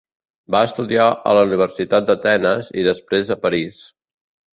Va estudiar a la Universitat d'Atenes i després a París.